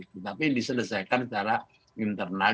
tapi diselesaikan secara internal